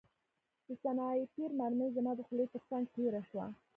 د سنایپر مرمۍ زما د خولۍ ترڅنګ تېره شوه